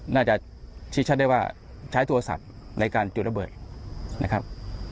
น่าจะชี้ชัดได้ว่าใช้โทรศัพท์ในการจุดระเบิดนะครับ